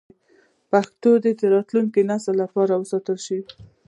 پښتو دې د راتلونکو نسلونو لپاره وساتل شي.